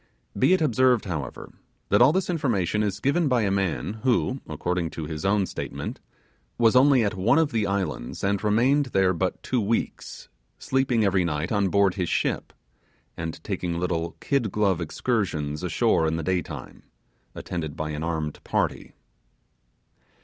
Be it observed, however, that all this information is given by a man who, according to his own statement, was only at one of the islands, and remained there but two weeks, sleeping every night on board his ship, and taking little kid glove excursions ashore in the daytime, attended by an armed party.